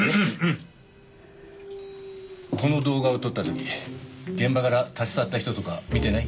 この動画を撮った時現場から立ち去った人とか見てない？